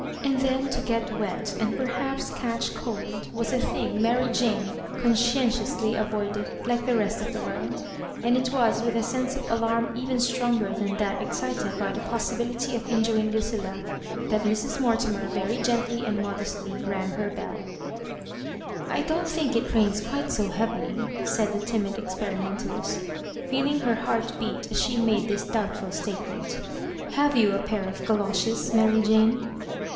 And then to get wet, and perhaps catch cold, was a thing Mary Jane conscientiously avoided, like the rest of the world ; and it was with a sense of alarm even sttonger than that excited by the possibility of injuring Lucilla, that Mrs. Mortimer very gently and modestly rang her belL " I don't think it rains quite so heavily," said the timid experimentalist, feeling her heart beat as she made this doubtful statemenc ''Have you a pair of goloshes, Mary Jane?"